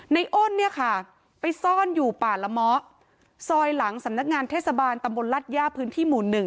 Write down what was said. อ้นเนี่ยค่ะไปซ่อนอยู่ป่าละเมาะซอยหลังสำนักงานเทศบาลตำบลรัฐย่าพื้นที่หมู่๑